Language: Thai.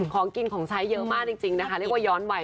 ของกินของใช้เยอะมากจริงนะคะเรียกว่าย้อนวัย